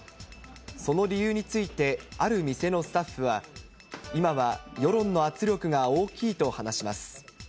その理由について、ある店のスタッフは、今は世論の圧力が大きいと話します。